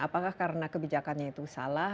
apakah karena kebijakannya itu salah